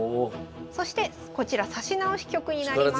そしてこちら指し直し局になります。